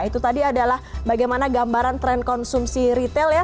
itu tadi adalah bagaimana gambaran tren konsumsi retail ya